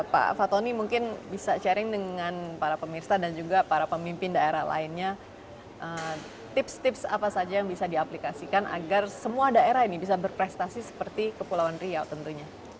pak fatoni mungkin bisa sharing dengan para pemirsa dan juga para pemimpin daerah lainnya tips tips apa saja yang bisa diaplikasikan agar semua daerah ini bisa berprestasi seperti kepulauan riau tentunya